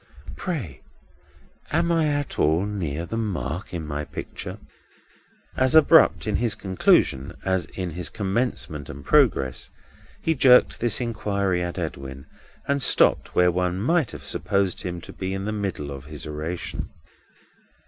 Pray am I at all near the mark in my picture?" As abrupt in his conclusion as in his commencement and progress, he jerked this inquiry at Edwin, and stopped when one might have supposed him in the middle of his oration.